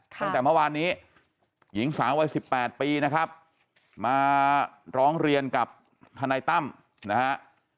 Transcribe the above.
ตั้งแต่เมื่อวานนี้หญิงสาววัย๑๘ปีนะครับมาร้องเรียนกับทนายตั้มนะฮะ